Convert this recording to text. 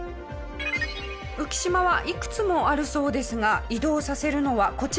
浮島はいくつもあるそうですが移動させるのはこちらの島のみ。